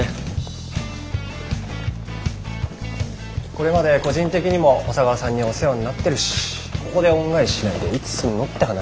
これまで個人的にも小佐川さんにお世話になってるしここで恩返ししないでいつすんのって話だし。